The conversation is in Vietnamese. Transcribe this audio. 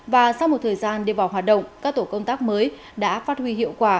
và sau một thời gian đi vào hoạt động các tổ công tác mới đã phát huy hiệu quả